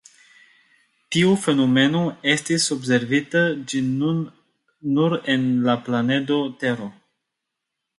Tiu fenomeno estis observita ĝis nun nur en la planedo Tero.